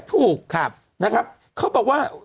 ถูกนะครับเขาบอกว่า